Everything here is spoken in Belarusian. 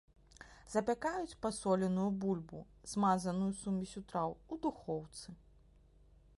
Запякаюць пасоленую бульбу, змазаную сумессю траў, у духоўцы.